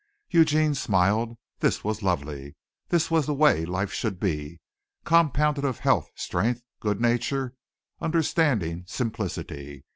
Eugene smiled. This was lovely. This was the way life should be compounded of health, strength, good nature, understanding, simplicity.